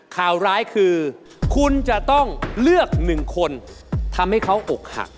ข่าวร้ายคือคุณจะต้องเลือกหนึ่งคนทำให้เขาอกหัก